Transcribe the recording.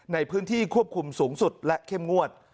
ในพื้นที่ควบคุมสูงสุดและเข้มงวด